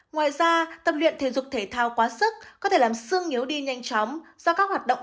ngoài ra tập luyện thể dục thể thao quá sức có thể làm sương yếu đi nhanh chóng do các hoạt động